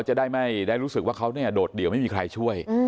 มันจะได้รู้สึกดดเดี่ยวไม่มีใครช่วย